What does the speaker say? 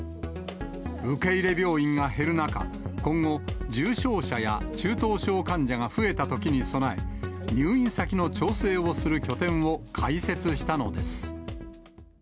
受け入れ病院が減る中、今後、重症者や中等症患者が増えたときに備え、入院先の調整をする拠点を開設したのです。